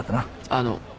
あの。